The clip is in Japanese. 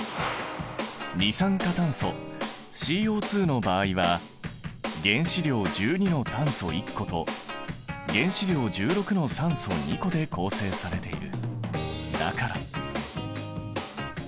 二酸化炭素ＣＯの場合は原子量１２の炭素１個と原子量１６の酸素２個で構成されている。